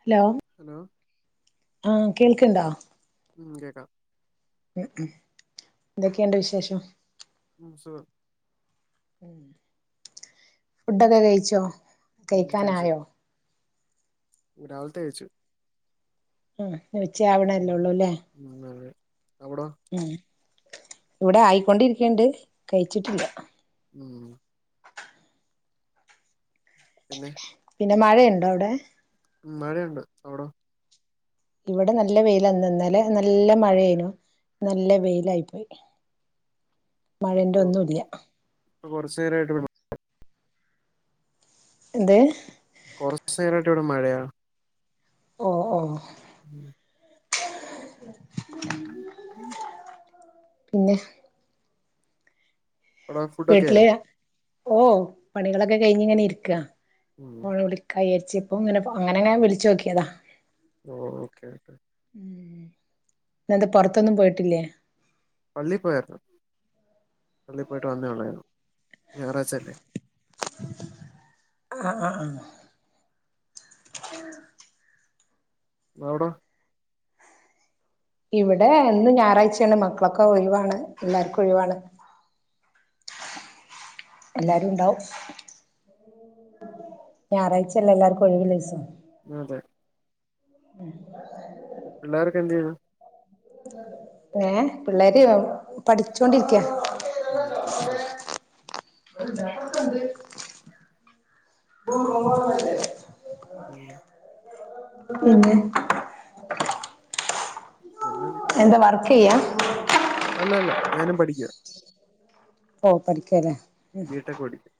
Hello hello ആഹ് കേൾക്ക്ണ്ടോ ഉം കേക്കാം എന്തോക്കെണ്ട് വിശേഷം ഉം സുഖം ഫുഡൊക്കെ കയിച്ചോ ഉം കഴിച്ചു കയിക്കാനായോ രാവിലത്തെ കഴിച്ചു ഉം ഉച്ച ആവണല്ലേള്ളൂ ല്ലേ അവ്ട ഇവിടെ ആയിക്കൊണ്ടിരിക്ക്ണ്ട് കയിച്ചിട്ടില്ല ഉം പിന്നെ പിന്നെ മഴയുണ്ടോഅവടെ മഴയുണ്ട് അവിടോ ഇവിടെ നല്ല വെയിലന്ന് ഇന്നലെ നല്ല മഴയേനു നല്ല വെയിലായി പോയി മഴേന്റെ ഒന്നു ഇല്ല്യ പ്പൊ കുറച്ചേരായിട്ട് വിടെ മ എന്തെ കൊറച്ചേരായിട്ട് ഇവിടെ മഴയാ ഓ ഓ മ്മ് [unintelligible] പിന്നെ എടോ വീട്ടില് ഫുഡൊക്കേയൊ ഓ പണികളൊക്കെ കയിഞ്ഞ് ങ്ങനെ ഇരിക്ക. ഉം [unintelligible] ച്ചിപ്പോങ്ങനെ പൊങ്ങനെനെ വിളിച്ചോക്കിയതാ. ഓ ഓക്കെ ഓക്കെ. ഉം ഇന്നെന്തേ പുറത്തൊന്നും പോയിട്ടില്ലേ? പള്ളിയി പോയാരുന്നു പള്ളി പോയിട്ട് വന്നേ ഉള്ളായിരുന്നു. ഞായറാഴ്ചയല്ലേ? ആഹ് ആഹ്. [unintelligible] അവിടോ ഇവിടെ ഇന്ന് ഞായറാഴ്ചയാണ് മക്കളൊക്കെ ഒഴിവാണ് എല്ലാർക്കും ഒഴിവാണ്. എല്ലാരും ഉണ്ടാവും. ഞായറാഴ്ചല്ലേ എല്ലാർക്കും ഒഴിവു യുള്ള ദിവസം അതെ. ഉം. പിള്ളേരൊക്കെ എന്തെയ്യണ്? ഏ പിള്ളേര് പഠിച്ചോണ്ടിരിക്ക. ഉം പഠിച്ചോ [unintelligible] [unintelligible] ഉം പിന്നെ പിന്നന്ത ചെയ്യാം അല്ല അല്ല ഞാനും പഠിക്കുവാ ഓ പഠിക്കാലെ ബി ടെക് പഠിക്കാ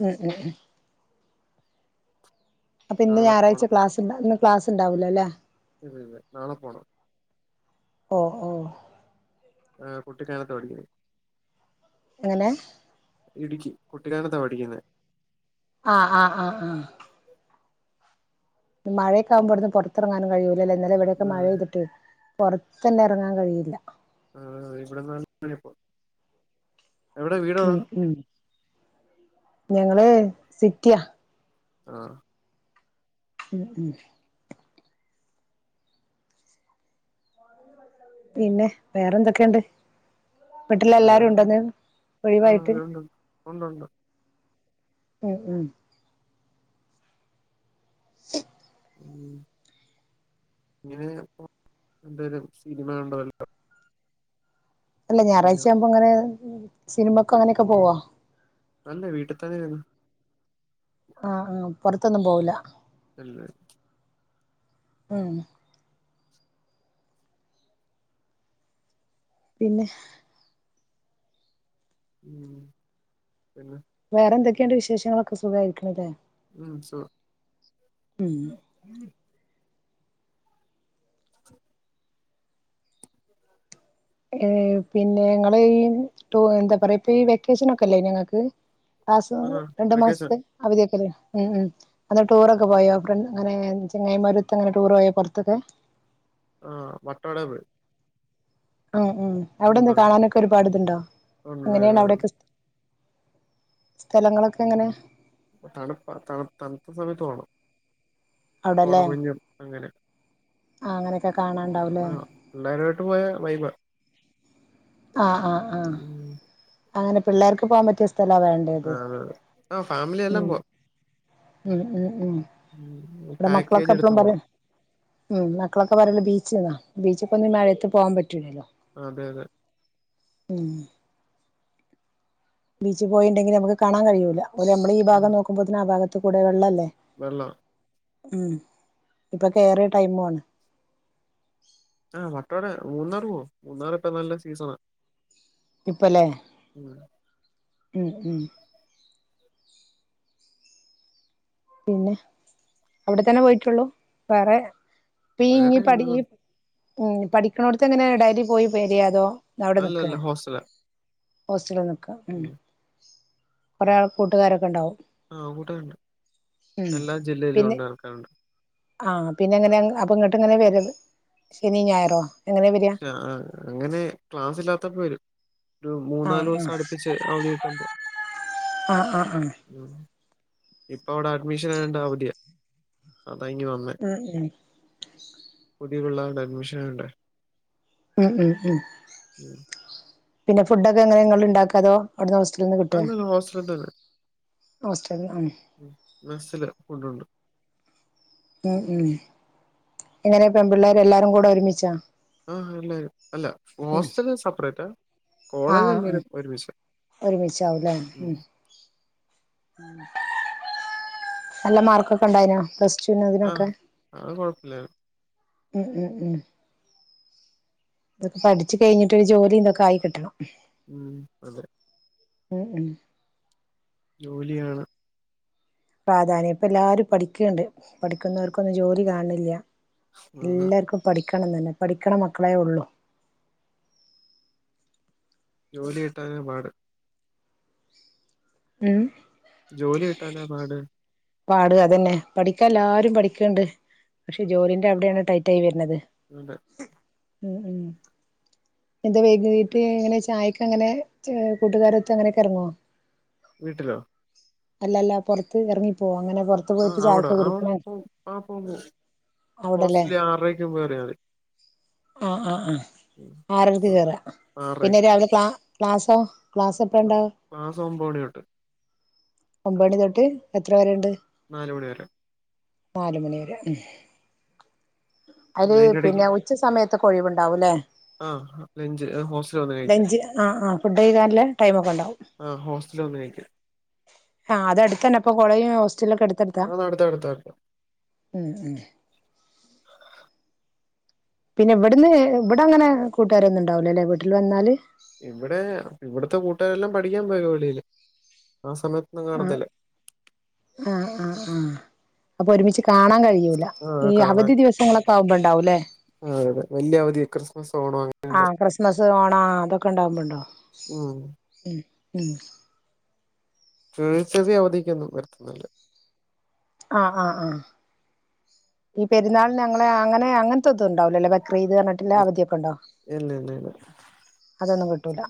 മ്മ് മ്മ് മ്മ് അപ്പം ഇന്ന് നാളെ ഞായറാഴ്ച പോണം ക്ലാസിണ്ടാന്ന് ക്ലാസ് ഇണ്ടാവുലാ ലെ ഇല്ല ഇല്ല നളെ പോണം ഓ ഓ ആ കുട്ടിക്കാനത്താ പഠിക്ക്ണെ എങ്ങനെ ഇടുക്കി കുട്ടിക്കാനത്താ പഠിക്കിന്നെ ആ ആ ആ ആ മഴൊക്കെ ആകുമ്പോ അയുട്ന്ന് പൊർത്തെർങ്ങാനും കഴിയു ഇല്ലല്ല ഇന്നലെ ഇവടെക്കെ മഴ ആഹ് പെയ്തിട്ടെ പോർത്തെന്നെ എറങ്ങാൻ കഴിയില്ല ആണോ ഇവിടെ നല്ല [inaudible] യിപ്പോ എവിടെ വീടെവിടാ ഞങ്ങൾ സിറ്റിയാ ആ മ്മ് മ്മ് പിന്നെ വേറെന്തൊക്കെ ഇണ്ട് വീട്ടിൽ എല്ലാരും ഉണ്ടോന്ന് ഒഴിവായിട്ട് ആഹ് ഉണ്ട് ഉണ്ട് ഉണ്ട് മ്മ് മ്മ് മ്മ് [unintelligible] രണ്ട് പേരും സിനിമ കണ്ടോ [unintelligible] അല്ല ഞായാഴ്ച ഇരിക്കാ ആവുമ്പോ ഇങ്ങനെ സിനിമക്ക് അങ്ങനെയൊക്കെ പോവോ അല്ലേ വീട്ടിൽ തന്നെയാരുന്നു ആ ആ പൊറത്തൊന്നും പോവൂല ഇല്ലല്ല മ്മ് പിന്നെ മ്മ് പിന്നെ വേറെ എന്തൊക്കെ ഇണ്ട് വിശേഷങ്ങളൊക്കെ സുഖായിരിക്ക്ണ്ലെ മ്മ് ഉം സുഖം ഏഹ് പിന്നെ ഇങ്ങൾ ഈ ടൂ എന്താ പറയാ ഇപ്പ ഈ വെക്കേഷൻ ഒക്കെ ഇല്ലെയ്നോ ഇങ്ങക്ക് [unintelligible] ആഹ് രണ്ട് വെക്കേഷൻ മാസത്തെ അവധിയൊക്കെല്ലേ മ്മ് മ്മ് അന്ന് ടൂറൊക്കെ പോയോ ഫ്രണ്ട് ഇങ്ങനെ ചെങ്ങായിമാരൊത്ത് അങ്ങനെ ടൂർ പോയോ പൊർത്തൊക്കെ ആ വട്ടവടെ പോയി ആ ഉം അവിടെ എന്ത മൂന്നാർ കാണാനൊക്കെ ഒരുപാട് ഇതുണ്ടോ എങ്ങനെയാണ് അവിടെയൊക്കെ സ്ഥലങ്ങളൊക്കെ എങ്ങനെ തണുപ്പ തണു തണുത്ത സമയത്ത് പോണം അവിടല്ലേ കോടമഞ്ഞും അങ്ങനെ ആ അങ്ങനെ കാണാണ്ടാവുല്ലേ അട്ടു പോയ വൈബ് ആ ആ ആ അങ്ങനെ പിള്ളേർക്ക് പോകാൻ പറ്റ ആ ആ ഫാമിലിെല്ലാം ഉം പോ ഉം ഉം ഉ ഇവിടെ മക്കളൊക്കെ പാക്കേജ് എടുത്ത് പോണം എപ്പഴുംപറയും ഉം മക്കളൊക്കെ പറയൽ ബീച്ചിലെ ബീച്ചിൽക്കൊന്നും മഴ എത്ത് പോവാ ൻ പറ്റൂില്ലല്ലോ അതെ അതെ ഉം ബീച്ച പോയിുണ്ടെങ്കി നമുക്ക് കാണാൻ കഴിയൂല്ല നമ്മള്ഈ ഭാഗം നോക്കുപ്പോത്ആ ഭാത്ത് ആ ഭാഗത്ത് കൂടെ വെള്ളല്ലേ വെള്ളാം ഉം ഇപ്പൊ കേയറിയ ടൈമണ് ആ് മട്ടോടെ മൂന്നാർ പോ മൂന്നാർ ഇപ്പ നല്ല സീസണാ ഇപ്പലെ ഉം ഉം ഉം പിന്നെ അവിടെത്തന്നെ പോയിട്ടുള്ളു വേറെ പ ഇ വേറെ പടി [unintelligible] ഉം പഠിക്കണോടത്ത് എങ്ങനാ ഡയലി പോയി പോരെ അല്ല അല്ല ഹോസറ്റലാ ഹോസ്റ്റലന്ന് കാ ഉം കുറെേ ആൾ കൂട്ടുകാരൊക്കെ ഉണ്ടാവും ആ കൂട്ടുകാരുണ്ട്എല്ലാ ജില്ലയിലും ഉണ്ട ആൾക്കാരുണ്ട് ആ പിന്നെ എങ്ങനെ അപ്പൊ ഇങ്ങോട്ട് ഇങ്ങനെ വരു ശനി ഞായറോ എങ്ങനെ വരിക ആ അങ്ങനെ ക്ലാസ് ഇല്ലാത്തപ്പോ വരും ഒരു മൂന്ന ആഹ് നാല് ദിവസം ആഹ് അടുപ്പിച്ച് അവധി കിട്ടുമ്പോ ആഹ് ആഹ് ആഹ് ഇപ്പ അവിടെ അഡ്മിഷൻ ആയോണ്ട അവധിയ ആ ഉം [unintelligible] അഡ്മിഷൻ ഇണ്ടാരുന്നു. ഉം ഉം ഉം പിന്നെ ഫുഡ് ഒക്കെ എങ്ങനെ ഇങ്ങള് ഇണ്ടാക്കോ അതോ? അവിടുന്ന് ഹോസ്റ്റലിൽ നിന്ന് കിട്ടുവോ അല്ലല്ല ഹോസ്റ്റലിൽ തന്നെ ഉം മെസ്സില് ഫുഡ്ഡുണ്ട്. [unintelligible] ആ എല്ലാരും അല്ല ഉം ഹോസ്റ്റല് സെപ്പറേറ്റാ കോളേജ് എല്ലാരും ഒരുമിച്ചാ. ഒരുമിച്ചാവും ല്ലേ ഉം നല്ല മാർക്കൊക്കെ ഇണ്ടായിനാ പ്ലസ് ടുവിനും ആഹ് ഇതിനൊക്കെ അത് കൊഴപ്പില്ലാര്ന്ന്. ഉം ഉം ഉം ഇതൊക്കെ പഠിച്ച് കഴിഞ്ഞിട്ട് ഒരു ജോലി ഇതൊക്കെ ആയി കിട്ടണം. ഉം അതെ. ഉം ഉം ജോലി വേണം. പ്രാധാന്യം ഇപ്പൊ എല്ലാരും പഠിക്ക്ണ്ട് പഠിക്കുന്നോർക്കൊന്നും ജോലി കാണണില്ല. അതാ എല്ലാർക്കും പഠി ഠിക്കണന്നെന്ന പഠിക്കണ മക്കളേ ഉള്ളൂ. ജോലി കിട്ടാനാ പാട്. ഉം ജോലി കിട്ടാനാ പാട് പാട് അതെന്നെ പഠിക്കാൻ എല്ലാരും പഠിക്ക്ണ്ട് പക്ഷേ ജോലിന്റെ അവിടെയാണ് ടൈറ്റ് ആയി വരുന്നത്. അതെ. ഉം ഉം എന്താ വൈകീട്ട് എങ്ങനെ ചായക്ക് എങ്ങനെ ഏഹ് കൂട്ടുകാരൊത്ത് അങ്ങനെയൊക്ക ഇറങ്ങോ? വീട്ടിലോ? അല്ലല്ല പുറത്ത് ഇറങ്ങി പോവോ അങ്ങനെ? പുറത്ത് ആ പോയിട്ട് അവിടെ ചായക്കെ അവിടെ കുടിക്കണ പോവും ആ പോവും പോവും അവിടെല്ലേ ഹോസ്റ്റലിൽ ആറരക്ക് മുൻപ് കേറിയാ മതി. ആ ആ ആ ഉം. ആറരക്ക് കേറാ പിന്നെ ആറരയ്ക്ക് രാവിലെ ക്ലാ ക്ലാസോ? ക്ലാസ് എപ്പഴാ ഇണ്ടാവ ക്ലാസ് ഒമ്പത് മണി തൊട്ട്. ഒമ്പണി തൊട്ട് എത്ര വരെണ്ട്? നാല് മണി വരെ. നാല് മണിവരെ ഉം അയില് അതിന്റെ ഇടയ്ക്ക് പിന്നെ ഉച്ച സമയ ത്തൊക്കെ ഒഴിവുണ്ടാവും ല്ലേ? ആഹ് ലഞ്ച് ഹോസ്റ്റല് വന്ന് കഴിക്കാ ലഞ്ച് ആഹ് ആഹ് ഫുഡ് കഴിക്കാനില്ലേ ടൈമൊക്കെ ഉണ്ടാവും ആ ഹോസ്റ്റല് വന്ന് കഴിക്കാ. ആഹ് അത് അടുത്ത് തന്നെ അപ്പോ കോളേജും ഹോസ് ക്കെ എടുത്തെടുത്താ അത് അടുത്ത അടുത്ത അടുത്ത ഉ ഉ പിന്നെ ഇവിടെന്ന് ഇവിടെ അങ്ങനെ കൂട്ടുകാരൊന്നുംണ്ടാവലോ അല്ലെ വീട്ടിൽ വന്നാല് ഇവിടെ ഇവിടത്തെ കൂട്ടുകാരെല്ലാം പഠിക്കാൻ പോയക്ക വെളിയ്ല് അ ആ ആ ആ അപ്പൊ ഒരുമിച്ച് കാണാൻ കഴിയൂല ആഹ് ഈ കാണാൻ അവധി ദിവസങ്ങളൊക്കെ ആവുമ്പോണ്ടാവുംല്ലേ ആഹ് അതെ വലിയ അവധി ക്രിസ്മസ് ഓണം ആ അങ്ങനെയുള്ള ക്രിസ്മസ് ഓണ അതൊക്കെ ഉണ്ടാവുമ്പോണ്ടാവും ഉം മ് ചെറിയ അവധിക്കൊന്നും വര്ത്തൊന്നില്ല ആഹ് ആഹ് ആ ഈ പെരുന്നാൾ ഞങ്ങളെ അങ്ങനെ അങ്ങനത്തെ ഒതും ഉണ്ടാവലോല്ലേ ക്രീത് കഞ്ഞിട്ടില്ല അവധിയൊക്കെ ഉണ്ടോ ഇല്ല ഇല്ല ഇല്ല അതൊന്നും കിട്ട ട്ടിലാ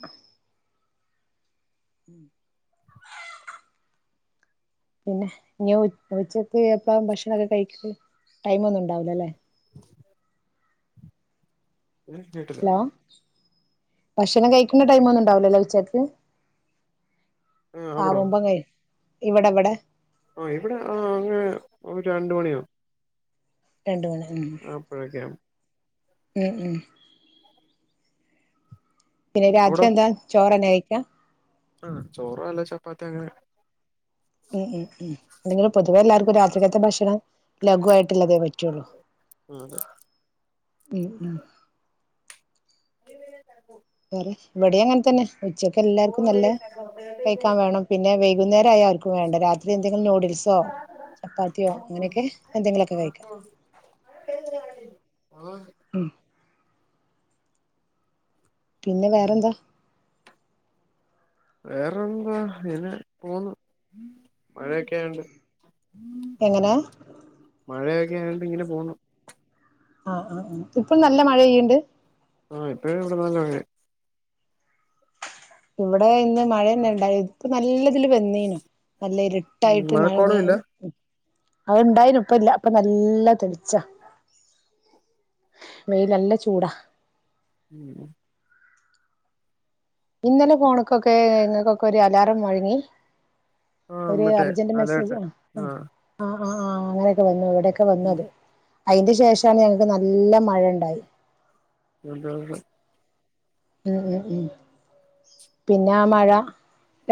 പിന്നെ ഞ് ഉച്ചക്ക് എപ്പഴാ ഭക്ഷണൊക്കെ കഴിക്കുന്ന് ടൈം ഒന്നും ഉണ്ടാവ് ലല്ലേ ഞാൻ കേട്ടില്ല ഹലോ ഭക്ഷണം കഴിക്കണ്ട ടൈം ഒന്നും ഉണ്ടാവലല്ലേ ഉച്ചക്ക് ആ മുമ്പങ്ങ ഇവിടെവടെ ആ ഇവിടെ ആ അങ്ങനെ ഒരു രണ്ട് മണിയാവു രണ്ട് മണ അപ്പഴക്കേം ഉം ഉം പിന്നെ രാത്രി അവിടോ എന്താ ചോറ് തന്നെയി ക്ക ആ ചോറല്ല ചപ്പാത്തി അങ്ങനെ ഉം ഉം ഉം അല്ലെങ്കിൽ പൊതുവേ എല്ലാർക്കും രാത്രികാലത്തെ ഭക്ഷണം ലഘുവയിട്ടുള്ളതേ പറ്റുള്ളൂ ആ അതെ ഉ ഉ വേറെ വിടിയങ്ങനെ തന്നെ ഉച്ചൊക്കെ എല്ലാവർക്കും നല്ല കഴിക്കാൻ വേണം പിന്നെ വൈകുന്നേര ആയ ആർക്കും വേണ്ട രാത്രി എന്തെങ്കിലും നൂഡിൽസോ ചപ്പാത്തിയോ അങ്ങനെയൊക്കെ ആ പിന്നെ വേറെന്താ വേറെന്താ ഇനെ പോന്നു മഴയൊക്കെയാണ്ട് എങ്ങനെ മഴയൊക്കെ ആയണ്ട്ങ്ങനെ പോണു ആ ആ ആ ഇപ്പൊ നല്ല മഴ പെയ്യുണ്ട് ആഹ ഇപ്പഴ ഇവിടെ നല്ല മഴയാ ഇവിടെ ഇന്ന് മഴയന്നെണ്ടായി ഇപ്പ നല്ലതില് വെന്നീനു നല്ല ഇരിട്ടായിട്ട് മഴ മഴക്കോളും മഴ ഇല്ല അത് ഇണ്ടായ്നു ഇപ്പ ഇല്ല ഇപ്പൊ നല്ല തെളിച്ചാ വെയ്ൽ നല്ല ചൂടാ ഉം ഇന്നലെ ഫോൺക്കൊക്കെ ഇങ്ങൾക്കൊക്കെ ഒരു അലാറം മൊഴങ്ങി ആ ഒരു മറ്റേ അർജന്റ് മെസ്സേജ് അലേർട്ട് ആണ് ആ ആ ആ ആ അങ്ങനെയക്കെ വന്നു ഇവിടെ ഇവ്ടൊക്കെ വന്നു ഉം. അത് അയിന്റെ ശേഷാണ് ഞങ്ങക്ക് നല്ല മഴ ഉണ്ടായി [unintelligible] ഉം ഉം ഉം പിന്നെ ആ മഴ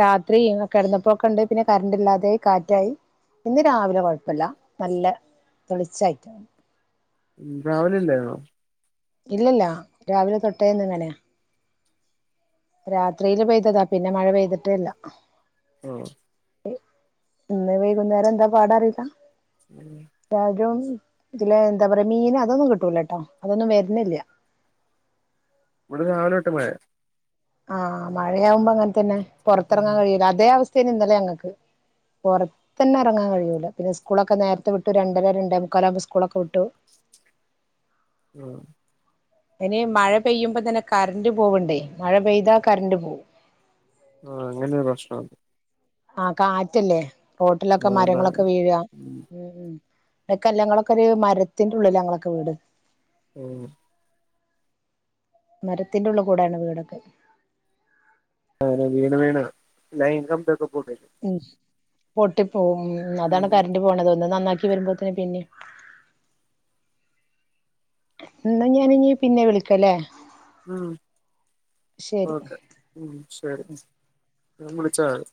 രാത്രി കിടന്നപ്പോക്കെ ഉണ്ട് പിന്നെ കറന്റ് ഇല്ലാതായി കാറ്റായി ഇന്ന് രാവിലെ കൊഴപ്പല്ല നല്ല തെളിച്ചായിട്ട് ഉം രാവിലെല്ലേനോ ഇല്ലല്ല രാവിലെ തൊട്ടേന്ന് ഇങ്ങനെയാ രാത്രിയില് പെയ്തതാ പിന്നെ മഴ പെയ്തിട്ടേല്ല ആ ഇന്ന് വൈകുന്നേരം എന്താ പാട റീല്ല തരും ഇതിലെ എന്താ പറയാ മീൻ അതൊന്നും കിട്ടൂലട്ടോ അതൊന്നും വര്ന്നില്ല ഇവിടെ രാവിലൊട്ട് മഴയാ ആ മഴയാവുമ്പം അങ്ങൻതന്നെ മഴയാ പൊറത്തിറങ്ങാൻ കഴിയില്ല അതേ അവസ്ഥ [unintelligible] ഇന്നലെ ഞങ്ങക്ക് പുറത്തന്നെ എറങ്ങാൻ കഴിയൂല പിന്നെ സ്കൂളൊക്കെ നേരത്തെ വിട്ടു രണ്ടര രണ്ടേ മുക്കാല ആകുമ്പോ സ്കൂളൊക്കെ വിട്ടു ഉം ഇനി മഴ പെയ്യുമ്പോ തന്നെ കറന്റ് പോവ്ണ്ടേ മഴ പെയ്താ കറന്റ് പോവും ആ അങ്ങനെരു പ്രശ്നം ഒണ്ട് ആ കാറ്റല്ലേ റോട്ടിലൊക്കെ അതാ മരങ്ങളൊക്കെ വീഴ ഉം ഉം ഇ [unintelligible] ക്കെ [unintelligible] ങ്ങളൊക്കെ ഒരു മരത്തിന്റെ ഉള്ളിലാ ഞങ്ങളൊക്കെ വീട് ഓ മരത്തിന്റെ ഉള്ളു കൂടെയാണ് വീടൊക്കെ അങ്ങനെ വീണ് വീണ് ലൈൻ കമ്പി ഒക്കെ ഉം പൊട്ടി ഓ ഉം അതാണ് കറണ്ട് പോണത് ഒന്ന് നന്നാ ക്കി വരുമ്പോത്തിന് പിന്നിം ഇന്നാ ഞാന് ഇനി പിന്നെ വിളിക്കല്ലേ ഉം ശരി ഓക്കെ ഉം ശരി ഞാൻ വിളിച്ചാ [unintelligible]